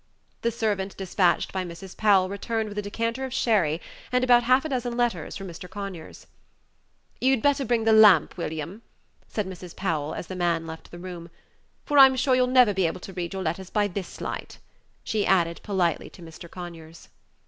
The servant despatched by Mrs. Powell returned with a decanter of sherry and about half a dozen letters for Mr. Conyers. "You'd better bring the lamp, William," said Mrs. Powell, as the man left the room, "for I'm sure you'll never be able to read your letters by this light," she added politely to Mr. Conyers.